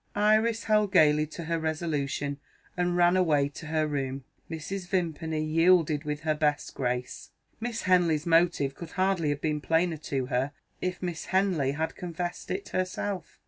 Iris held gaily to her resolution, and ran away to her room. Mrs. Vimpany yielded with her best grace. Miss Henley's motive could hardly have been plainer to her, if Miss Henley had confessed it herself.